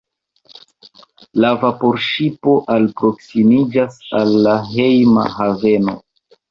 La vaporŝipo alproksimiĝas al la hejma haveno.